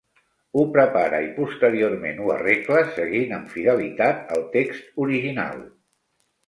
Ho prepare i posteriorment ho arregle seguint amb fidelitat el text original.